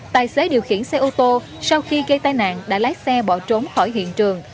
tài xế điều khiển xe ô tô sau khi gây tai nạn đã lái xe bỏ trốn khỏi hiện trường